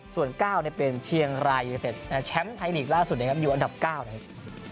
ส่วน๙เป็นเชียงรายยูนิเต็ดแชมป์ไทยลีกล่าสุดนะครับอยู่อันดับ๙นะครับ